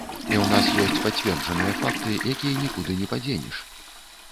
І ў нас ёсць пацверджаныя факты, якія нікуды не падзенеш.